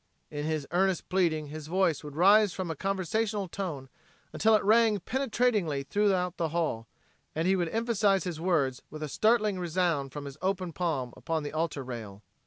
In his earnest pleading his voice would rise from a conversational tone until it rang penetratingly through the hall, and he would emphasize his words with a startling resound from his open palm upon the altar rail.